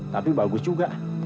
tapi bagus juga